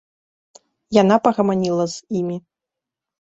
Яна пагаманіла з імі.